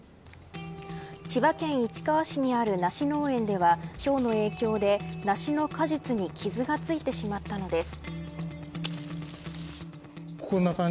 千葉県市川市にある梨農園ではひょうの影響で梨の果実に傷がついてしまったのです。